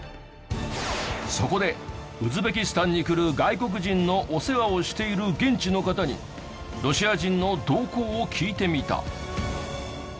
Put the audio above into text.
そこでウズベキスタンに来る外国人のお世話をしている現地の方にロシア人の動向を聞いてみた。